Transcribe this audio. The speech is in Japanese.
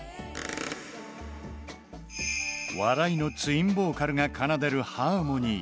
笑いのツインボーカルが奏でるハーモニー。